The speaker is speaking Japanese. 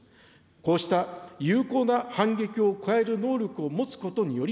こうした有効な反撃を加える能力を持つことにより、